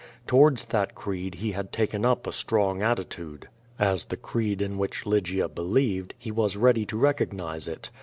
Towards tliat creed he had taken up a strong attitude. As the creed in which Lygia believed, he was ready to recog nize it.